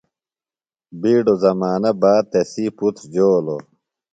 بِیڈو زمانہ باد تسی پُتر جولوۡ۔